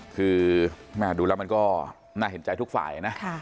คือแม่ดูแล้วมันก็น่าเห็นใจทุกฝ่ายนะ